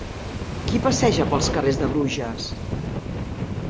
Qui passeja pels carrers de Bruges?